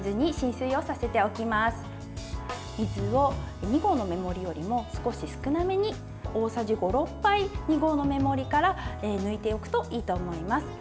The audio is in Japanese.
水を２合の目盛りよりも少し少なめに、大さじ５６杯２合の目盛りから抜いておくといいと思います。